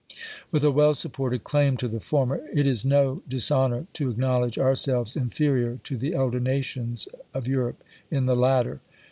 With a well supported claim to the former, it is no dishonor to acknowledge ourselves inferiour to the elder nations of Europe in the latter.